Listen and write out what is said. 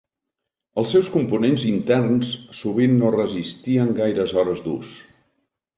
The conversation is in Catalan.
Els seus components interns sovint no resistien gaires hores d'ús.